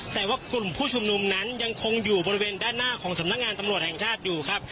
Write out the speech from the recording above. แต่ว่ากลุ่มผู้ชุมนุมนั้นยังคงอยู่บริเวณด้านหน้าของสำนักงานตำรวจแห่งชาติอยู่ครับ